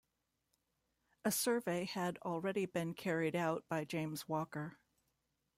A survey had already been carried out by James Walker.